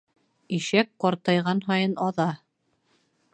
Ишәк ҡартайған һайын аҙа.